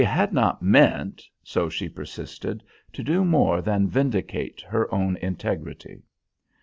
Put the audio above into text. She had not meant, so she persisted, to do more than vindicate her own integrity.